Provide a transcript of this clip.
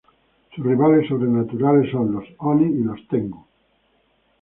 Sus rivales sobrenaturales son los oni y los tengu.